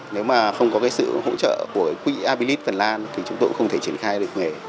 nếu mà không có cái sự hỗ trợ của quỹ abilis phần lan thì chúng tôi cũng không thể triển khai được nghề